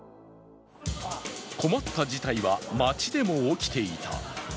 困った事態は街でも起きていた。